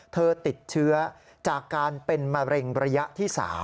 ติดเชื้อจากการเป็นมะเร็งระยะที่๓